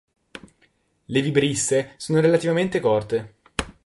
Le vibrisse sono relativamente corte.